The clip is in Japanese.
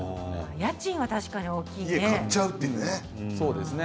家賃は確かに大きいね。